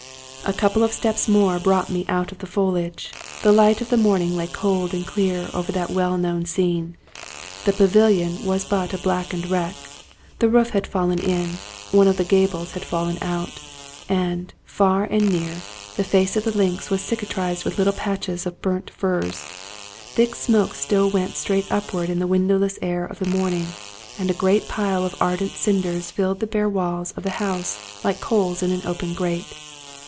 A couple of steps more brought me out of the foliage. The light of the morning lay cold and clear over that well known scene. The pavilion was but a blackened wreck; the roof had fallen in, one of the gables had fallen out; and, far and near, the face of the links was cicatrized with little patches of burned furze. Thick smoke still went straight upward in the windless air of the morning, and a great pile of ardent cinders filled the bare walls of the house, like coals in an open grate.